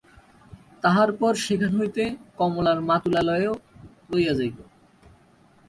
তাহার পর সেখান হইতে কমলার মাতুলালয়েও লইয়া যাইব।